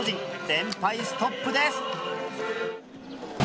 連敗ストップです。